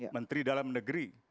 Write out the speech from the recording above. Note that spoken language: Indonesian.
menteri dalam negeri